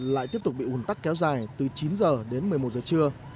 lại tiếp tục bị ủn tắc kéo dài từ chín giờ đến một mươi một giờ trưa